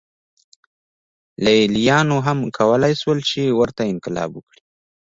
لېلیانو هم کولای شول چې ورته انقلاب وکړي.